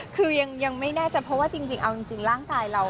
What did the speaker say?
คือยังไม่แน่ใจเพราะว่าจริงเอาจริงร่างกายเรา